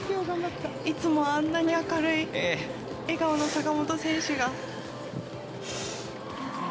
いつもあんなに明るい笑顔の坂本選手が。